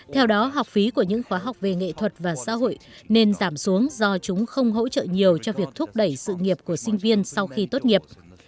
theo đó học phí của những khóa học về nghệ thuật và xã hội nên giảm xuống do chúng không hỗ trợ nhiều cho việc thúc đẩy sự nghiệp của sinh viên sau khi tốt nghiệp